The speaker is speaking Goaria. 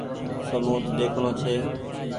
سمونڌ ۮيکڻو ڇي